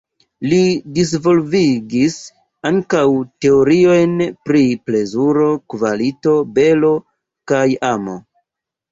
Li disvolvigis ankaŭ teoriojn pri plezuro, kvalito, belo kaj amo.